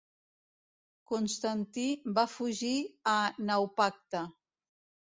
Constantí va fugir a Naupacte.